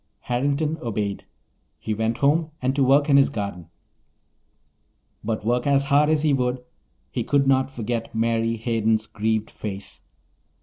Harrington obeyed. He went home and to work in his garden. But work as hard as he would, he could not forget Mary Hayden's grieved face.